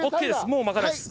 もう巻かないです。